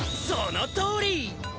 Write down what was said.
そのとおり！